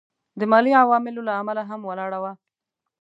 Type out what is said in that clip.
د مالي عواملو له امله هم ولاړه وه.